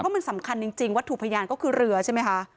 มันสำคัญจริงวัตถุพยานก็คือเรือใช่ไหมคะ